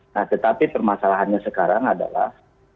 nah tetapi permasalahannya sekarang adalah